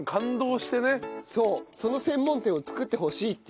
その専門店を作ってほしいっていうぐらい。